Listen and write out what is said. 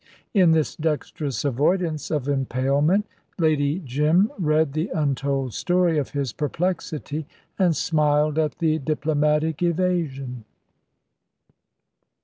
In this dexterous avoidance of impalement Lady Jim read the untold story of his perplexity, and smiled at the diplomatic evasion.